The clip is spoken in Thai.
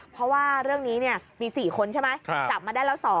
เพราะว่าเรื่องนี้มี๔คนใช่ไหมจับมาได้แล้ว๒